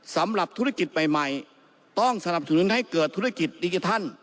สำหรับธุรกิจใหม่ต้องสนับสนุนให้เกิดธุรกิจดิจิทัล